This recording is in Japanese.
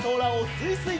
すいすい！